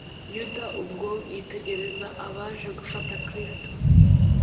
yuda ubwo yitegerezaga abaje gufata kristo,